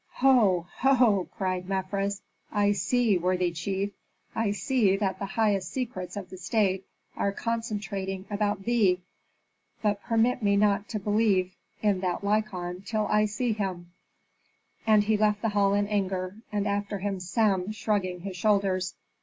"Ho! ho!" cried Mefres, "I see, worthy chief, I see that the highest secrets of the state are concentrating about thee. But permit me not to believe in that Lykon till I see him." And he left the hall in anger, and after him Sem, shrugging his shoulders.